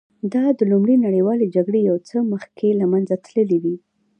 دا د لومړۍ نړیوالې جګړې یو څه مخکې له منځه تللې وې